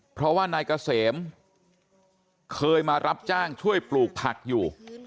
เพราะว่านายเกษมเคยมารับจ้างช่วยปลูกผักอยู่